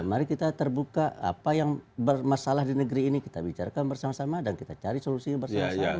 mari kita terbuka apa yang bermasalah di negeri ini kita bicarakan bersama sama dan kita cari solusinya bersama sama